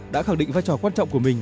đã khẳng định vai trò quan trọng của mình